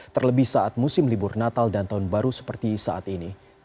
terlebih saat musim libur natal dan tahun baru seperti saat ini